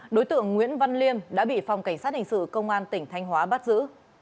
đối tượng nguyễn văn liêm đã bị phòng cảnh sát hình sự công an tỉnh thanh hóa bắt giữ